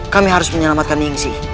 kami harus menyelamatkan nyingsi